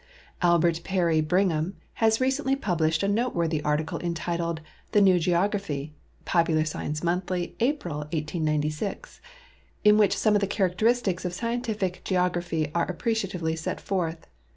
Albert Perry Brigii.\m has recently published a noteworthy article entitled "The New Geography" {Popular Science Monthly, April, 189()), in which some of the characteristics of scientific geography are appreciatively set forth.